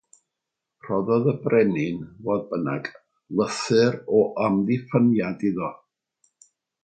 Rhoddodd y brenin, fodd bynnag, lythyr o amddiffyniad iddo.